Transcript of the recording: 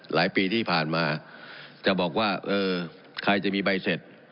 หลายปีที่ผ่านมาจะบอกว่าเออใครจะมีใบเสร็จ